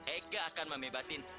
eike akan membebasin